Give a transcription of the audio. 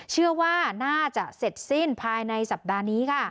เชื่อว่าน่าจะเสร็จสิ้นภายในสัปดาห์นี้ค่ะ